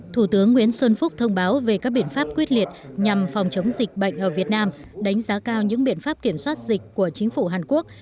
thủ tướng nguyễn xuân phúc thông báo về các biện pháp quyết liệt nhằm phòng chống dịch bệnh ở việt nam đánh giá cao những biện pháp kiểm soát dịch của chính phủ hàn quốc